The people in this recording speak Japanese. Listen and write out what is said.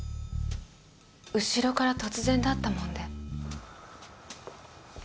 後ろから突然だったもんで。